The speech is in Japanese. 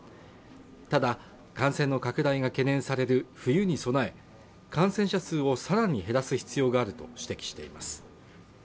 ただ、感染の拡大が懸念される冬に備え、感染者数をさらに減らす必要があると指摘しています。